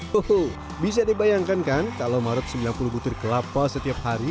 who bisa dibayangkan kan kalau maret sembilan puluh butir kelapa setiap hari